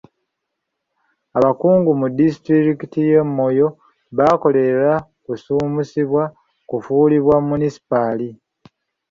Abakungu mu disitulikiti y'e Moyo bakolerera kusuumusibwa kufuulibwa munisipaali.